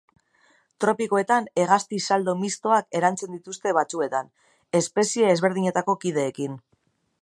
Tropikoetan hegazti-saldo mistoak eratzen dituzte batzuetan, espezie ezberdinetako kideekin.